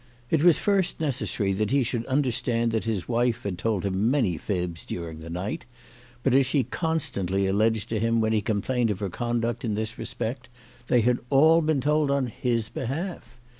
It was first necessary that he should understand that his wife had told him many fibs during the night ; but as she constantly alleged to him when he complained of her conduct in this respect, they had all been told on his behalf.